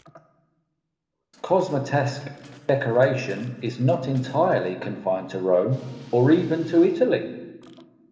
Cosmatesque decoration is not entirely confined to Rome, or even to Italy.